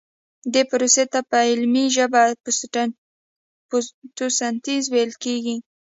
دې پروسې ته په علمي ژبه فتوسنتیز ویل کیږي